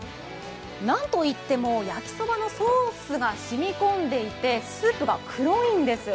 何といってもやきそばのソースが染み込んでいてスープが黒いんです。